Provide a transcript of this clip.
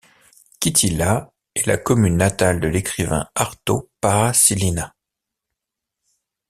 Kittilä est la commune natale de l'écrivain Arto Paasilinna.